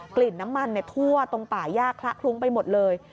กลิ่นน้ำมันทั่วตรงป่าย่าคละคลุ้งไปหมดเลย